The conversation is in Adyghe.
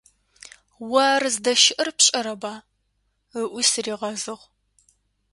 «О ар здэщыӀэр пшӀэрэба?» - ыӏуи сыригъэзыгъ.